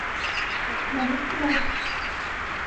— Мом ыштенат?